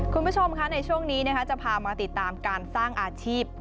คุณผู้ชมค่ะในช่วงนี้จะพามาติดตามการสร้างอาชีพ